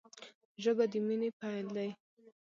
ژبه د مینې پیل دی